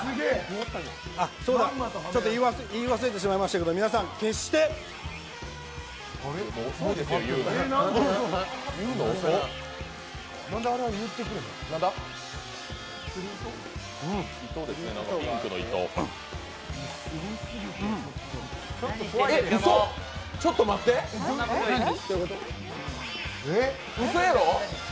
そうだ、言い忘れてしまいましたけど、皆さん、決してちょっと待って、うそやろ？